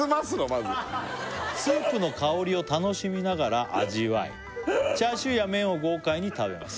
まず「スープの香りを楽しみながら味わい」「チャーシューや麺を豪快に食べます」